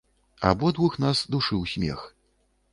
Абодвух нас душыў смех.